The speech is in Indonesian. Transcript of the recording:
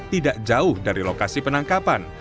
tidak jauh dari lokasi penangkapan